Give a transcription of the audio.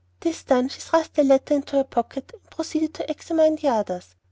This done, she thrust the letter into her pocket, and proceeded to examine the others.